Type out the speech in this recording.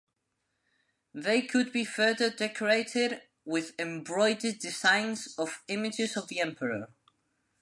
They could be further decorated with embroidered designs or images of the emperor.